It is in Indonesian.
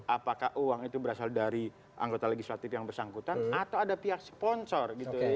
apakah uang itu berasal dari anggota legislatif yang bersangkutan atau ada pihak sponsor gitu ya